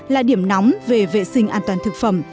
là điểm nóng về vệ sinh an toàn thực phẩm